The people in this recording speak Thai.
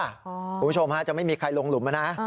คุณผู้ชมฮะจะไม่มีใครลงหลุมนะ